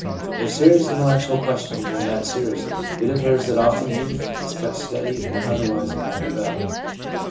If serious intellectual questionings are met seriously, it appears that often youth is kept steady when otherwise it might rebel.